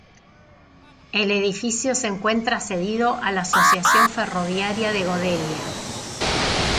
El edificio se encuentra cedido a la Asociación Ferroviaria de Godella.